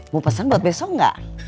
mau pesan buat besok gak